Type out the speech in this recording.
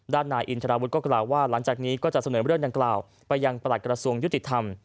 นายอินทราวุฒิก็กล่าวว่าหลังจากนี้ก็จะเสนอเรื่องดังกล่าวไปยังประหลัดกระทรวงยุติธรรม